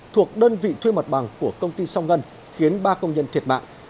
thuộc đơn vị thuê mặt bằng của công ty song ngân khiến ba công nhân thiệt mạng